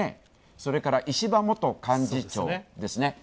それから、石破元幹事長ですね。